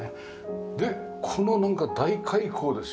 でこのなんか大開口ですよ。